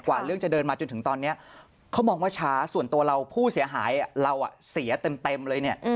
เรื่องจะเดินมาจนถึงตอนนี้เขามองว่าช้าส่วนตัวเราผู้เสียหายเราเสียเต็มเลยเนี่ย